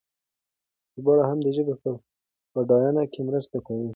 ژباړې هم د ژبې په بډاینه کې مرسته کوي.